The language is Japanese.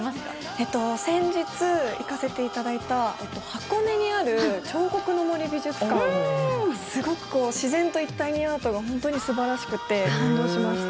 えっと先日行かせていただいた箱根にある彫刻の森美術館がすごくこう自然と一体にアートが本当にすばらしくて感動しました。